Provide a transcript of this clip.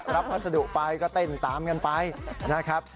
พัสดุไปก็เต้นตามกันไปนะครับ